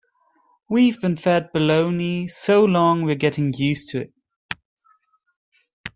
We've been fed baloney so long we're getting used to it.